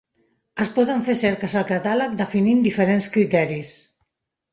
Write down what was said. Es poden fer cerques al catàleg definint diferents criteris.